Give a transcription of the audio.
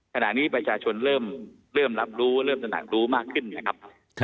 ขณะนี้ประชาชนเริ่มรับรู้เริ่มตระหนักรู้มากขึ้นนะครับ